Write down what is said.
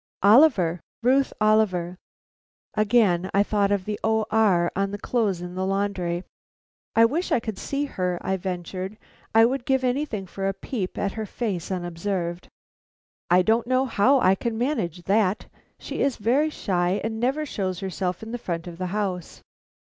"Oliver; Ruth Oliver." Again I thought of the O. R. on the clothes at the laundry. "I wish I could see her," I ventured. "I would give anything for a peep at her face unobserved." "I don't know how I can manage that; she is very shy, and never shows herself in the front of the house.